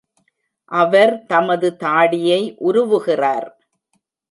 அவர் தமது தாடியை உருவுகிறார்!